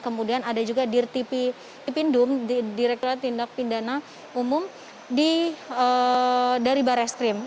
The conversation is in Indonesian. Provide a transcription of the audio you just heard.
kemudian ada juga dirtipindum direktur tindak pindana umum dari barai skrim